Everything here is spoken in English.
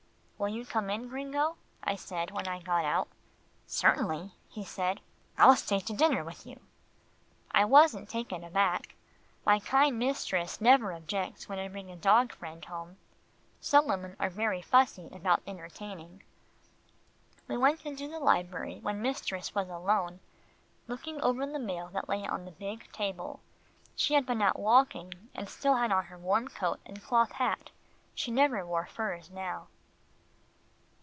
"Will you come in, Gringo?" I said when I got home. "Certainty," he said. "I'll stay to dinner with you." I wasn't taken aback. My kind mistress never objects when I bring home a dog friend. Some women are very fussy about entertaining. We went into the library, where mistress was alone, looking over the mail that lay on the big table. She had been out walking, and still had on her warm coat and cloth hat. She never wore furs now.